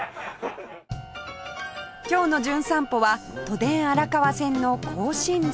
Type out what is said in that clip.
今日の『じゅん散歩』は都電荒川線の庚申塚